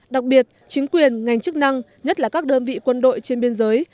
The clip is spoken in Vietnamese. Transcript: đặc biệt chính quyền ngành chức năng nhất là các đơn vị quân đội trên biên giới